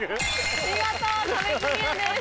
見事壁クリアです。